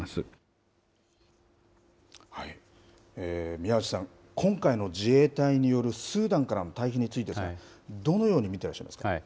宮内さん、今回の自衛隊によるスーダンからの退避についてですが、どのように見ていらっしゃいますか。